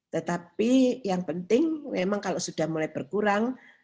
tetapi yang penting memang kalau sudah mulai berkurang